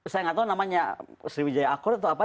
saya gak tahu namanya sriwijaya accord atau apa